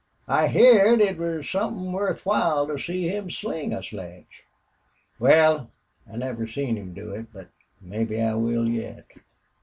I heerd it was somethin' worth while to see him sling a sledge.... Wal, I never seen him do it, but mebbe I will yet.